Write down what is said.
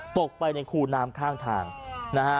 ตกไปในคูน้ำข้างทางนะฮะ